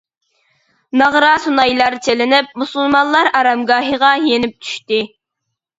ناغرا-سۇنايلار چېلىنىپ مۇسۇلمانلار ئارامگاھىغا يېنىپ چۈشتى.